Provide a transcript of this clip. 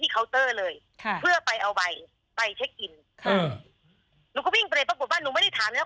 เคาน์เตอร์เลยค่ะเพื่อไปเอาใบไปเช็คอินค่ะหนูก็วิ่งไปปรากฏว่าหนูไม่ได้ถามแล้ว